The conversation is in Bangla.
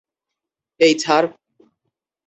এই, ছাড়!